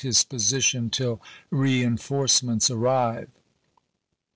his position till reenf orcements arrive."